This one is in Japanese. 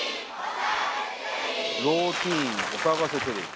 「ローティーンおさわがせテレビ」。